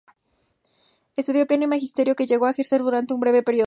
Estudió piano y magisterio, que llegó a ejercer durante un breve periodo.